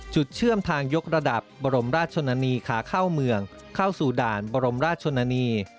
เชื่อมทางยกระดับบรมราชชนนานีขาเข้าเมืองเข้าสู่ด่านบรมราชชนนานี